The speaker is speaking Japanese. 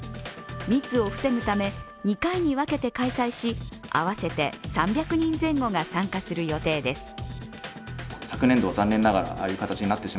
密を防ぐため、２回に分けて開催し、合わせて３００人前後が参加する予定です。